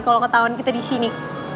kalo ketahuan kita disini